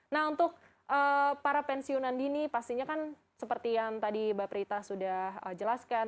nah untuk para pensiunan dini pastinya kan seperti yang tadi mbak prita sudah jelaskan